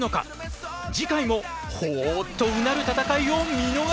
次回もほぉとうなる戦いを見逃すな！